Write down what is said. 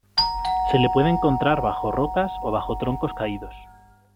Se le puede encontrar bajo rocas o bajo troncos caídos.